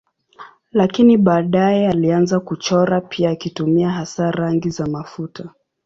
Lakini baadaye alianza kuchora pia akitumia hasa rangi za mafuta.